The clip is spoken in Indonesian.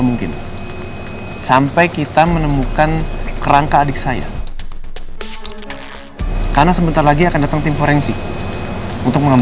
mungkin sampai kita menemukan kerangka adik saya karena sementara